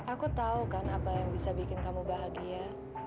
aku tahu kan apa yang bisa bikin kamu bahagia